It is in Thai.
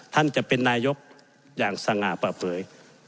ท่านจะเป็นนายกอย่างสง่าเปิดเผย